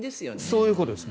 そういうことです。